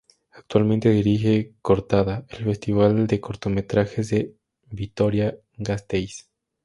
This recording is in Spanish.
Actualmente dirige "Cortada", el Festival de Cortometrajes de Vitoria-Gasteiz.